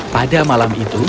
pada malam itu